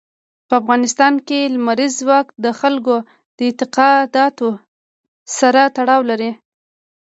په افغانستان کې لمریز ځواک د خلکو د اعتقاداتو سره تړاو لري.